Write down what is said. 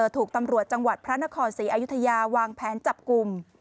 ถูกตำรวจจังหวัดพระนครศรีอยุธยาวางแผนจับกลุ่ม